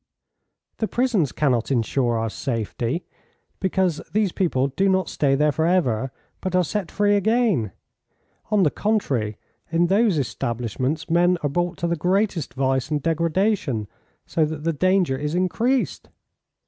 "The prisons cannot insure our safety, because these people do not stay there for ever, but are set free again. On the contrary, in those establishments men are brought to the greatest vice and degradation, so that the danger is increased."